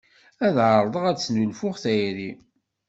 Ad εerḍeɣ ad d-snulfuɣ tayri